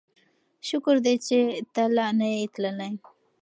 شکر دی چې ته لا نه یې تللی.